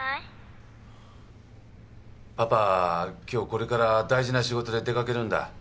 今日これから大事な仕事で出掛けるんだ。